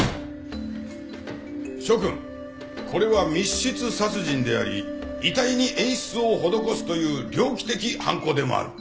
諸君これは密室殺人であり遺体に演出を施すという猟奇的犯行でもある。